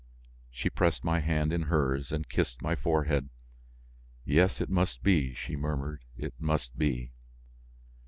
She pressed my hand in hers, and kissed my forehead. "Yes, it must be," she murmured, "it must be."